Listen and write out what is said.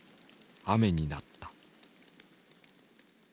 雨になった。